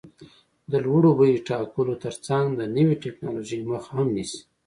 د لوړو بیو ټاکلو ترڅنګ د نوې ټکنالوژۍ مخه هم نیسي.